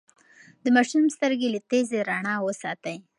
د ماشوم سترګې له تیزې رڼا وساتئ.